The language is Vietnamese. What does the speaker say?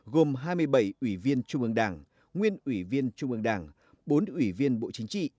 gồm hai mươi bảy ủy viên trung ương đảng nguyên ủy viên trung ương đảng bốn ủy viên bộ chính trị